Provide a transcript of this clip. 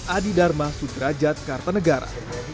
adi dharma sudrajat kartanegara